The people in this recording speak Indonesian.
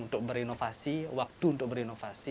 untuk berinovasi waktu untuk berinovasi